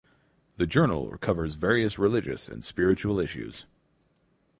The journal covers various religious and spiritual issues.